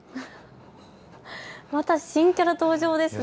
また新キャラ登場ですね。